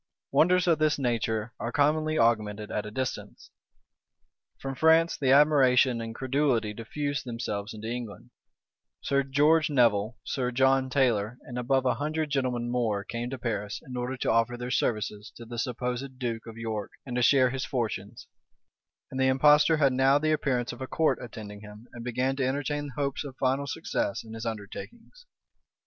Wonders of this nature are commonly augmented at a distance. From France the admiration and credulity diffused themselves into England: Sir George Nevil,[*] Sir John Taylor, and above a hundred gentlemen more, came to Paris, in order to offer their services to the supposed duke of York, and to share his fortunes: and the impostor had now the appearance of a court attending him, and began to entertain hopes of final success in his undertakings.